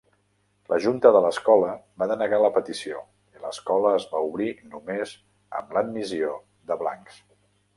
La junta de l'escola va denegar la petició i l'escola es va obrir només amb l'admissió de blancs.